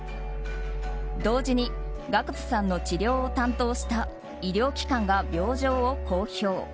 同時に、ＧＡＣＫＴさんの治療を担当した医療機関が病状を公表。